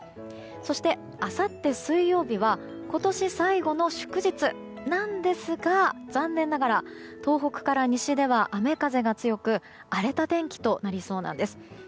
そして、あさって水曜日は今年最後の祝日なんですが残念ながら東北から西では雨風が強く荒れた天気となりそうです。